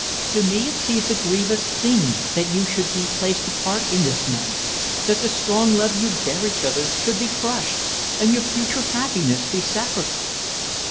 To me it seems a grievous thing that you should be placed apart in this manner; that the strong love you bear each other should be crushed, and your future happiness be sacrificed.